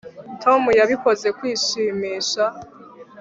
tom yabikoze kwishimisha